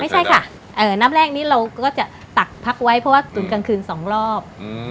ไม่ใช่ค่ะน้ำแรกนี้เราก็จะตักพักไว้เพราะว่าตุ๋นกลางคืน๒รอบ